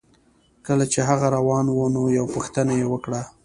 کله چې هغه روان و نو یوه پوښتنه یې وکړه